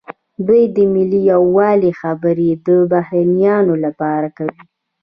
دوی د ملي یووالي خبرې د بهرنیانو لپاره کوي.